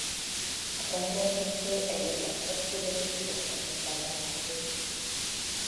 A tengerszinttől egészen a hegységekig sokfelé fellelhető.